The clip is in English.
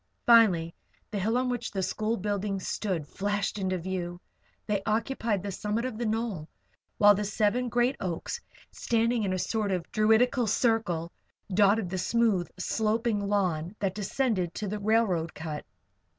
Finally the hill on which the school buildings stood flashed into view. They occupied the summit of the knoll, while the seven great oaks, standing in a sort of druidical circle, dotted the smooth, sloping lawn that descended to the railroad cut.